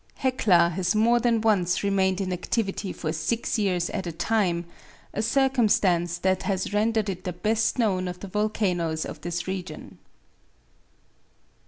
Hecla has more than once remained in activity for six years at a time a circumstance that has rendered it the best known of the volcanoes of this region.